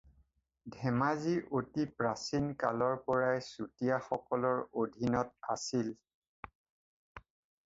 ধেমাজি অতি প্ৰাচীন কালৰ পৰাই চুতীয়া সকলৰ অধীনত আছিল।